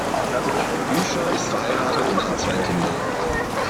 Büscher ist verheiratet und hat zwei Kinder.